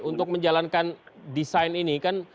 untuk menjalankan desain ini kan